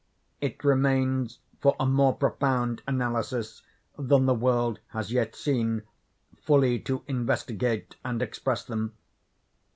It remains for a more profound analysis than the world has yet seen, fully to investigate and express them.